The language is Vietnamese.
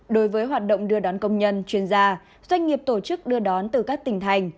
đối với hoạt động đưa đón công nhân chuyên gia doanh nghiệp tổ chức đưa đón từ các tỉnh thành